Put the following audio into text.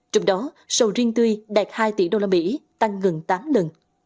trong đó sầu riêng tươi đạt hai tỷ usd tăng gần tám lần